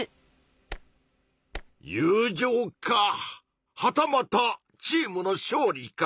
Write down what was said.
友情かはたまたチームの勝利か。